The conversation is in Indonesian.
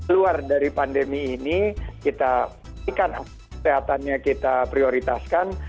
luar dari pandemi ini kita pastikan kesehatannya kita prioritaskan